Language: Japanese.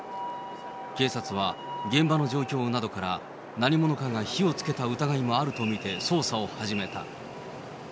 警察は現場の状況などから、何者かが火をつけた疑いもあると見て、捜査を始めた。